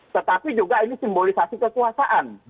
tetapi juga ini simbolisasi kekuasaan